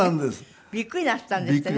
びっくりなすったんですってね